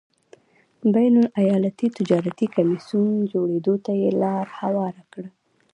بین الایالتي تجارتي کمېسیون جوړېدو ته یې لار هواره کړه.